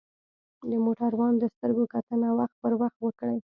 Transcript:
د موټروان د سترګو کتنه وخت پر وخت وکړئ.